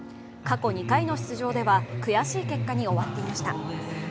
過去２回の出場では悔しい結果に終わっていました。